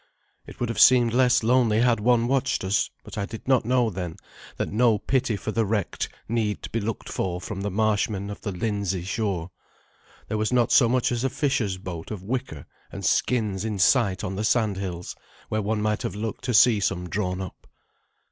It would have seemed less lonely had one watched us, but I did not know then that no pity for the wrecked need be looked for from the marshmen of the Lindsey shore. There was not so much as a fisher's boat of wicker and skins in sight on the sandhills, where one might have looked to see some drawn up.